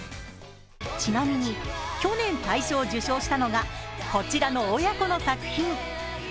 ちなみに去年大賞を受賞したのが、こちらの親子の作品。